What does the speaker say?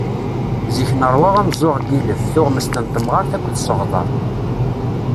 Zik neṛwa ameẓẓuɣ n yilef, tuɣmest n temɣart akked seɣdeṛ.